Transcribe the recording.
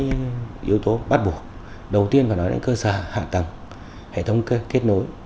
cái yếu tố bắt buộc đầu tiên phải nói đến cơ sở hạ tầng hệ thống kết nối